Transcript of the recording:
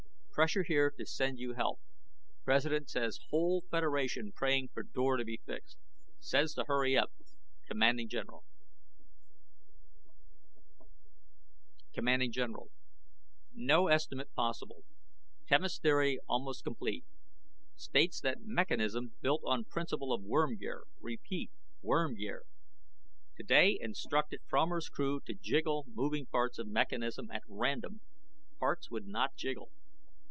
PRESSURE HERE TO SEND YOU HELP. PRESIDENT SAYS WHOLE FEDERATION PRAYING FOR DOOR TO BE FIXED. SAYS TO HURRY UP. CMD GENERAL CMD GENERAL NO ESTIMATE POSSIBLE. QUEMOS THEORY ALMOST COMPLETE. STATES THAT MECHANISM BUILT ON PRINCIPLE OF WORM GEAR. REPEAT. WORM GEAR. TODAY INSTRUCTED FROMER'S CREW TO JIGGLE MOVING PARTS OF MECHANISM AT RANDOM. PARTS WOULD NOT JIGGLE.